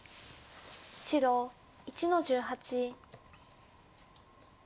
白１の十八。